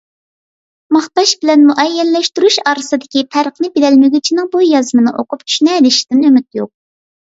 ماختاش بىلەن مۇئەييەنلەشتۈرۈش ئارىسىدىكى پەرقنى بىلەلمىگۈچىنىڭ بۇ يازمىنى ئوقۇپ چۈشىنەلىشىدىن ئۈمىد يوق.